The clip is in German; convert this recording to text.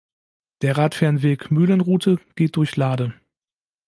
Der Radfernweg Mühlenroute geht durch Lahde.